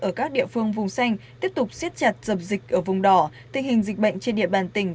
ở các địa phương vùng xanh tiếp tục siết chặt dập dịch ở vùng đỏ tình hình dịch bệnh trên địa bàn tỉnh